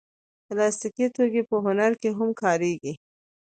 پلاستيکي توکي په هنر کې هم کارېږي.